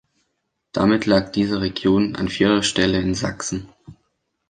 Damit lag diese Region an vierter Stelle in Sachsen.